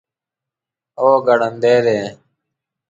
هو، ګړندی دی